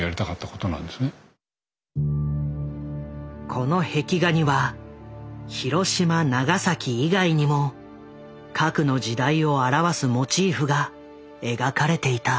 この壁画にはヒロシマ・ナガサキ以外にも核の時代を表すモチーフが描かれていた。